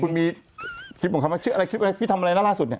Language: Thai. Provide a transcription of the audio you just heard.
คุณมีคลิปของเขาว่าชื่ออะไรคลิปอะไรพี่ทำอะไรนะล่าสุดเนี่ย